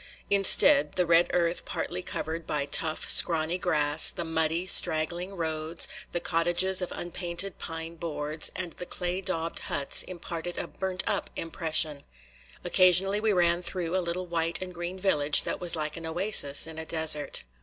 Instead, the red earth partly covered by tough, scrawny grass, the muddy, straggling roads, the cottages of unpainted pine boards, and the clay daubed huts imparted a "burnt up" impression. Occasionally we ran through a little white and green village that was like an oasis in a desert.